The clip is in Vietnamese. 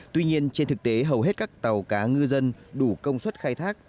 tuy nhiên trên thực tế hầu hết các tàu cá ngư dân đủ công suất khai thác